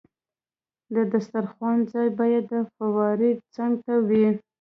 د دسترخوان ځای باید د فوارې څنګ ته وي.